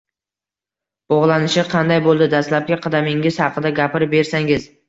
Boshlanishi qanday boʻldi, dastlabki qadamingiz haqida gapirib bersangiz?